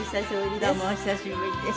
どうもお久しぶりです。